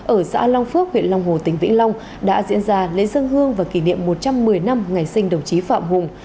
ở xã long phước huyện long hồ tỉnh vĩnh long đã diễn ra lễ dân hương và kỷ niệm một trăm một mươi năm ngày sinh đồng chí phạm hùng